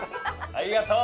ありがとう！